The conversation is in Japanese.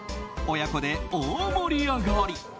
親子で大盛り上がり！